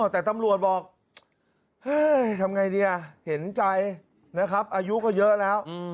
แต่ตำรวจบอกเฮ้ยทำไงดีเห็นใจนะครับอายุก็เยอะแล้ว